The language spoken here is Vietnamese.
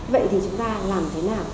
vậy thì chúng ta làm thế nào